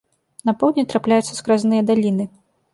На поўдні трапляюцца скразныя даліны.